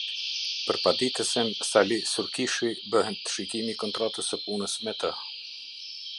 Për paditësen Sali Surkishi, bëhet shikimi i kontratës së punës me të.